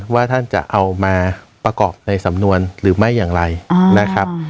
ว่าท่านจะเอามาประกอบในสำนวนหรือไม่อย่างไรนะครับ